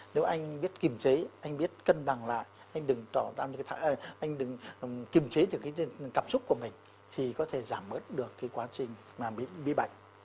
nếu anh biết kiềm chế anh biết cân bằng lại anh đừng kiềm chế được cái cảm xúc của mình thì có thể giảm bớt được cái quá trình mà bị bệnh